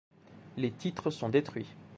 Les titres sont détruits.